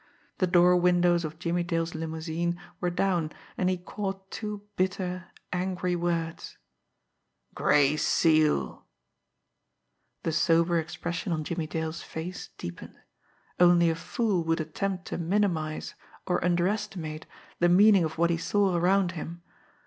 The door windows of Jimmie Dale's limousine were down, and he caught two bitter, angry words: "..._Gray Seal_ " The sober expression on Jimmie Dale's face deepened. Only a fool would attempt to minimise or underestimate the meaning of what he saw around him.